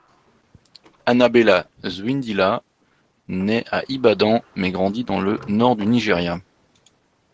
Annabella Zwyndila naît à Ibadan, mais grandit dans le Nord du Nigeria.